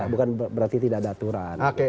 bukan berarti tidak ada aturan